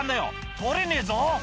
「取れねえぞ」